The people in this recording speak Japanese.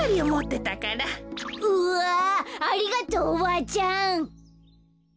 うわありがとうおばあちゃん。